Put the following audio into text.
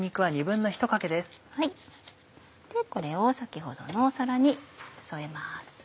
これを先ほどの皿に添えます。